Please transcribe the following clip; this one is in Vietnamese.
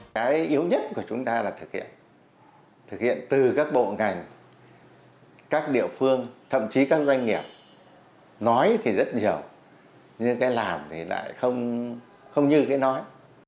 cái yếu nhất của chúng ta là thực hiện thực hiện từ các bộ ngành các địa phương thậm chí các doanh nghiệp nói thì rất nhiều nhưng cái làm thì lại không như cái nói